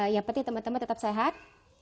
ya peti teman teman tetap sehat